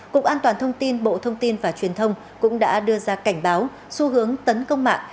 cục an toàn thông tin bộ thông tin và truyền thông cũng đã đưa ra cảnh báo xu hướng tấn công mạng